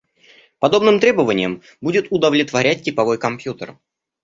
Подобным требованиям будет удовлетворять типовой компьютер